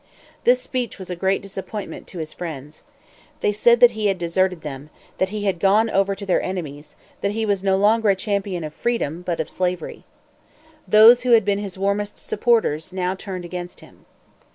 The speech was a great disappointment to his friends. They said that he had deserted them; that he had gone over to their enemies; that he was no longer a champion of freedom, but of slavery. Those who had been his warmest supporters, now turned against him.